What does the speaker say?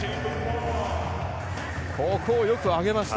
ここ、よく上げました。